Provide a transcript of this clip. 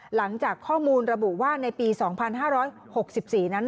หลังจากข้อมูลระบุว่าในปี๒๕๖๔นั้น